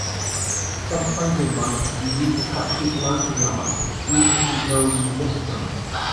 Sometimes in life you need to cut people out of your life even if you know you'll miss them.